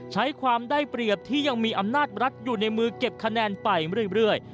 ใช้ความได้เปรียบที่ยังมีอำนาจรัฐอยู่ในมือเก็บคะแนนไปเรื่อย